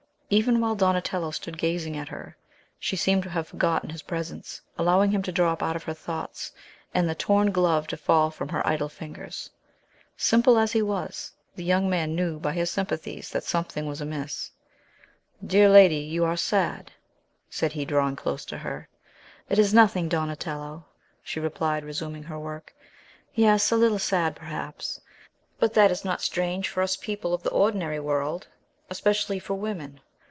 Even while Donatello stood gazing at her, she seemed to have forgotten his presence, allowing him to drop out of her thoughts, and the torn glove to fall from her idle fingers. Simple as he was, the young man knew by his sympathies that something was amiss. "Dear lady, you are sad," said he, drawing close to her. "It is nothing, Donatello," she replied, resuming her work; "yes; a little sad, perhaps; but that is not strange for us people of the ordinary world, especially for women.